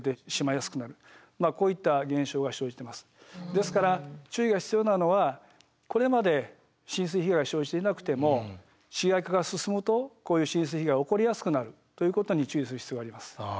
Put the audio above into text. ですから注意が必要なのはこれまで浸水被害が生じていなくても市街化が進むとこういう浸水被害が起こりやすくなるということに注意する必要があります。